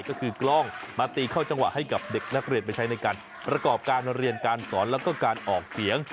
ก็คือกล้องมาตีเข้าจังหวะให้กับเด็กนักเรียนไปใช้ในการประกอบการเรียนการสอนแล้วก็การออกเสียง